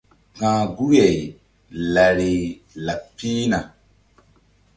Ka̧h guri-ay lari ƴo laɓ pihna.